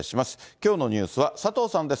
きょうのニュースは佐藤さんです。